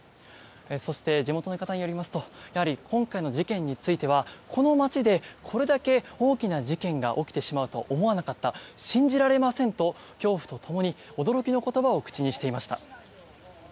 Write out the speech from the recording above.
そして、地元の方によりますとやはり今回の事件についてはこの街でこれだけ大きな事件が起きてしまうとは思わなかった、信じられませんと恐怖とともに驚きの言葉を口にしていました。